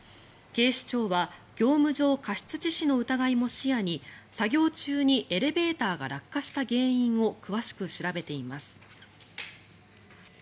警視庁は業務上過失致死の疑いも視野に作業中にエレベーターが落下した原因を詳しく調べています。